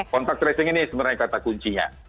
kontak tracing ini sebenarnya kata kuncinya